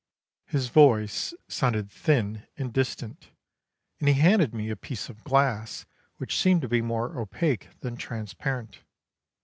His voice sounded thin and distant, and he handed me a piece of glass which seemed to be more opaque than transparent.